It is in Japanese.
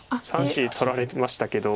３子取られましたけど。